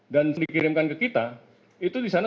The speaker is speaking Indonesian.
dan dikirimkan ke kita itu di sana